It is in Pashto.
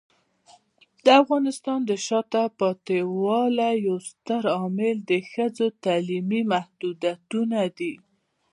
د افغانستان د شاته پاتې والي یو ستر عامل ښځو تعلیمي محدودیتونه دي.